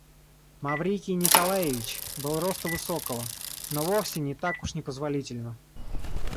Маврикий Николаевич был роста высокого, но вовсе не так уж непозволительно.